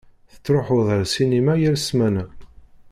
Tettṛuḥuḍ ar ssinima yal ssmana.